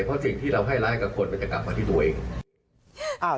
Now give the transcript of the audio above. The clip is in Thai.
เพราะสิ่งที่เราให้ร้ายกับคนมันจะกลับมาที่ตัวเอง